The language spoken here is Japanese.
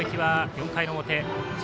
４回の表。